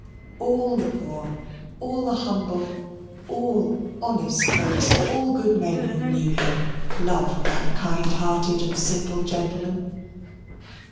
All the poor, all the humble, all honest folks, all good men who knew him, loved that kind hearted and simple gentleman.